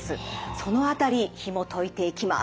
その辺りひもといていきます。